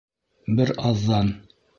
Бер аҙҙан: